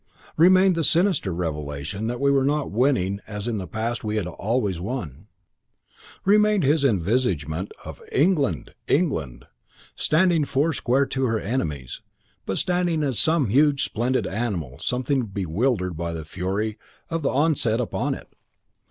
Remained the sinister revelation that we were not winning as in the past we had "always won." Remained his envisagement of England England! standing four square to her enemies, but standing as some huge and splendid animal something bewildered by the fury of the onset upon it.